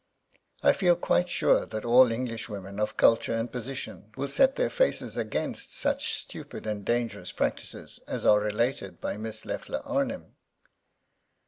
I feel quite sure that all English women of culture and position will set their faces against such stupid and dangerous practices as are related by Miss Leffler Arnim.